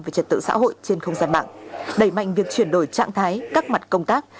về trật tự xã hội trên không gian mạng đẩy mạnh việc chuyển đổi trạng thái các mặt công tác